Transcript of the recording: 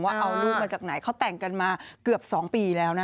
ว่าเอาลูกมาจากไหนเขาแต่งกันมาเกือบ๒ปีแล้วนะ